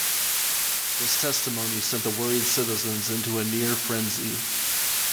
This testimony sent the worried citizens into a near frenzy.